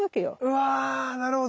うわなるほど。